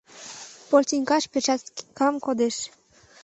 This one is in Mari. Полтиньыкаш перчаткам кодеш.